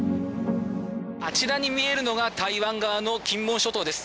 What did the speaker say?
あちらに見えるのが台湾側の金門諸島です。